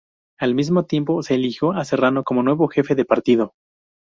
Al mismo tiempo se eligió a Serrano como nuevo jefe de partido.